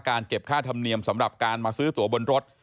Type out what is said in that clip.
เก็บค่าธรรมเนียมสำหรับการมาซื้อตัวบนรถ